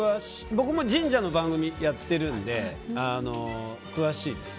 僕も神社の番組をやってるので詳しいです。